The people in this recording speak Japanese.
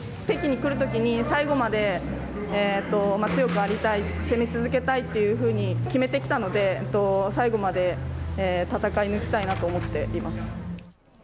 北京に来るときに最後まで強くありたい、攻め続けたいっていうふうに決めてきたので、最後まで戦い抜きたいなと思っています。